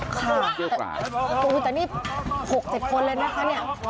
ค่ะแต่นี่๖๐คนเลยนะคะเนี่ย